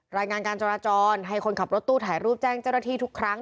รายงานการจราจรให้คนขับรถตู้ถ่ายรูปแจ้งเจ้าหน้าที่ทุกครั้ง